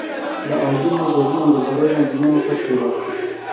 Li Agiriyê zeviyên gulberojan dîmenên xweş peyda dikin.